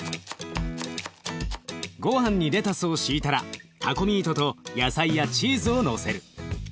ごはんにレタスを敷いたらタコミートと野菜やチーズをのせる。